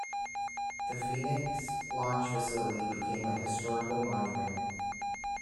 The "Phoenix"s launch facility became a historical monument.